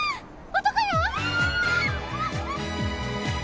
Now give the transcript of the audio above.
男よ。